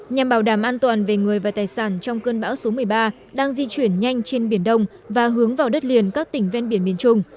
nhằm bảo đảm an toàn về người và tài sản trong cơn bão số một mươi ba đang di chuyển nhanh trên biển đông và hướng vào đất liền các tỉnh ven biển miền trung